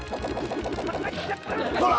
ほら！